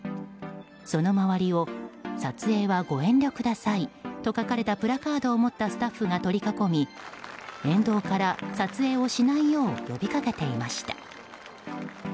その周りを撮影はご遠慮くださいと書かれたプラカードを持ったスタッフが取り囲み沿道から撮影をしないよう呼びかけていました。